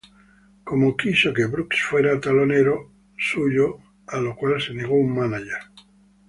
Como quiso que Brooks fuera telonero suyo, a lo cual se negó un mánager.